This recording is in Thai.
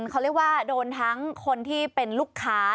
เขาเรียกว่าโดนทั้งคนที่เป็นลูกค้า